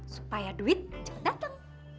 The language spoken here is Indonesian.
supaya duit jangan dateng